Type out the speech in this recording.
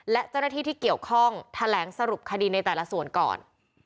และเจ้าหน้าที่ที่เกี่ยวข้องแถลงสรุปคดีในแต่ละส่วนก่อน